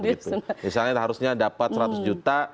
misalnya harusnya dapat seratus juta